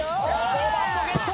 ５番もゲット！